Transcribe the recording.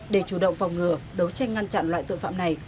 để chủ động phòng ngừa đấu tranh ngăn chặn loại tội phạm này